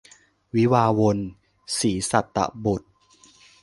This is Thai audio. วิวาห์วน - ศรีสัตตบุษย์